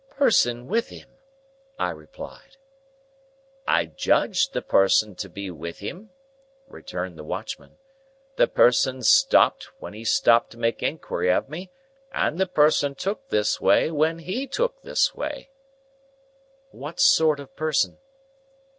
"Person with him!" I repeated. "I judged the person to be with him," returned the watchman. "The person stopped, when he stopped to make inquiry of me, and the person took this way when he took this way." "What sort of person?"